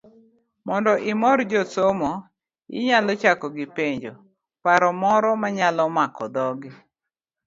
Mondo omi imor josomo, inyalo chako gi penjo, paro moro manyalo mako dhogi.